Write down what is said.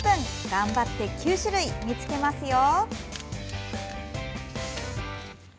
頑張って９種類、見つけますよ！